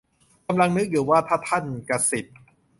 กำลังนึกอยู่ว่า ถ้าท่านกษิต